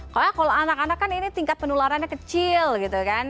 pokoknya kalau anak anak kan ini tingkat penularannya kecil gitu kan